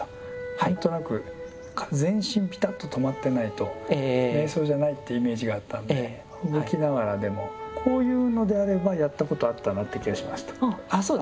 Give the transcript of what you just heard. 何となく全身ぴたっと止まってないと瞑想じゃないってイメージがあったんで動きながらでもこういうのであればやったことあったなって気がしました。